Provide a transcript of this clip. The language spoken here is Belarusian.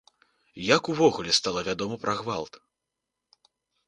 Як увогуле стала вядома пра гвалт?